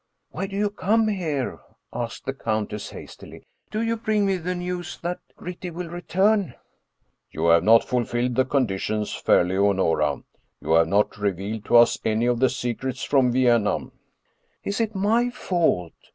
" Why do you come here ?" asked the countess hastily. " Do you bring me the news that Gritti will return ?"" You have not fulfilled the conditions, fair Leonora. You have not revealed to us any of the secrets from Vi enna." " Is it my fault